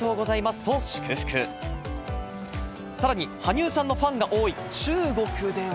さらに羽生さんのファンが多い中国では。